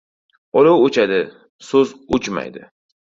• Olov o‘chadi, so‘z o‘chmaydi.